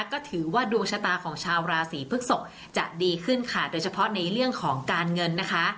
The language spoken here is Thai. ก็ถือว่าดวงชะตาของชาวราศีพฤกษกจะดีขึ้นค่ะโดยเฉพาะในเรื่องของการเงินนะคะ